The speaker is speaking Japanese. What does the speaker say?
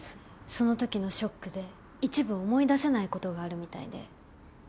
その時のショックで一部思い出せない事があるみたいで。